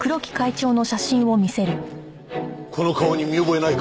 この顔に見覚えないか？